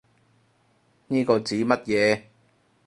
呢個指乜嘢